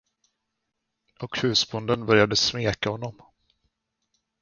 Och husbonden började smeka honom.